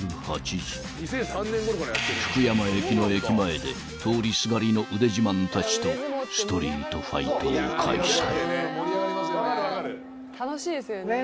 ［福山駅の駅前で通りすがりの腕自慢たちとストリートファイトを開催］